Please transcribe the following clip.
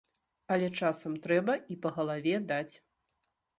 Але часам трэба і па галаве даць.